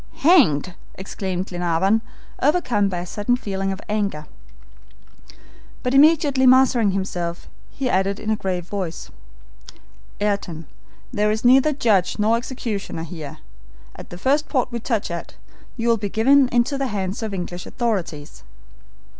"Hanged!" exclaimed Glenarvan, overcome by a sudden feeling of anger. But immediately mastering himself, he added in a grave voice: "Ayrton, there is neither judge nor executioner here. At the first port we touch at, you will be given up into the hands of the English authorities."